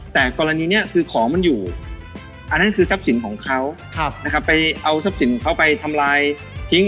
แต่กรณีนี้คือของมันอยู่อันนั้นคือทรัพย์สินของเขานะครับไปเอาทรัพย์สินเขาไปทำลายทิ้ง